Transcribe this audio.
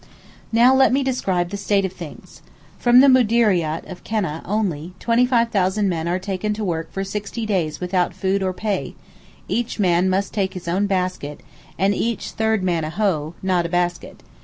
Now let me describe the state of things. From the Moudeeriat of Keneh only, 25,000 men are taken to work for sixty days without food or pay; each man must take his own basket, and each third man a hoe, not a basket.